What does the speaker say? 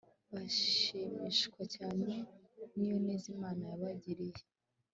bashimishwa cyane n'iyo neza imana yabagiriye